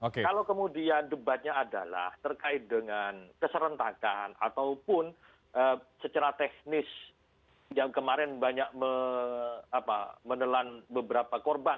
kalau kemudian debatnya adalah terkait dengan keserentakan ataupun secara teknis yang kemarin banyak menelan beberapa korban